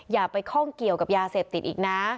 อย่าไปข้องเกี่ยวกับยาเสพติดอีกนะ